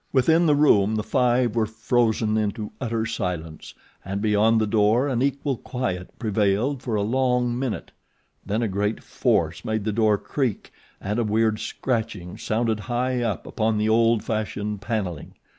Within the room the five were frozen into utter silence, and beyond the door an equal quiet prevailed for a long minute; then a great force made the door creak and a weird scratching sounded high up upon the old fashioned panelling.